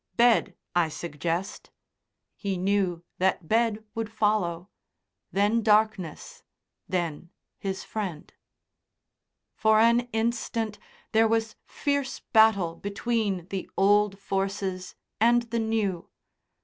Bed, I suggest." He knew that bed would follow. Then darkness, then his friend. For an instant there was fierce battle between the old forces and the new.